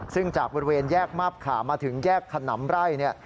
ซึ่งจากบริเวณแยกมาบขามาถึงแยกขนำไร่เนี่ย